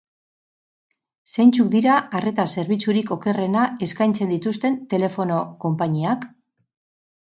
Zeintzuk dira arreta zerbitzurik okerrena eskaintzen dituzten telefono konpainiak?